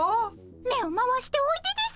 目を回しておいでです。